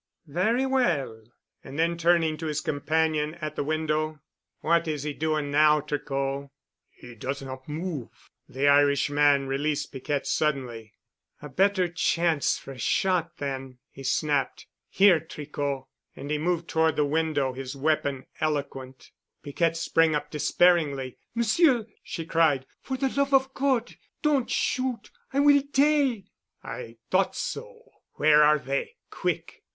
"Very well." And then turning to his companion at the window, "What is he doing now, Tricot?" "He does not move——" The Irishman released Piquette suddenly. "A better chance for a shot, then," he snapped. "Here, Tricot." And he moved toward the window, his weapon eloquent. Piquette sprang up despairingly. "Monsieur," she cried, "for the love of God. Don't shoot. I will tell." "I thought so. Where are they? Quick."